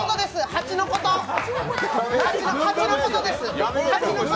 蜂のことです。